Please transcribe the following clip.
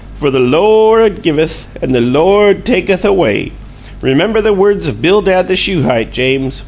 For the Lo ord givuth and the Lo ord takuth away! Remember the words of Bildad the Shuhite, James.